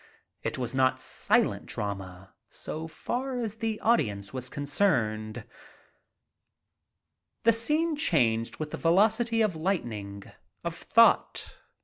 It was not silent drama so far as the audience was concerned. The scene changed with the velocity of lightning, of thought.